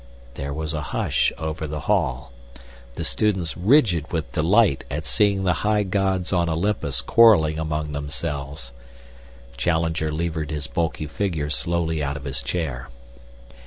There was a hush over the hall, the students rigid with delight at seeing the high gods on Olympus quarrelling among themselves. Challenger levered his bulky figure slowly out of his chair.